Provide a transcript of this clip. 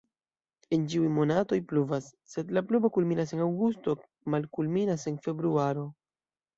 En ĉiuj monatoj pluvas, sed la pluvo kulminas en aŭgusto, malkulminas en februaro.